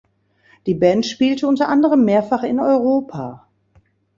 Die Band spielte unter anderem mehrfach in Europa.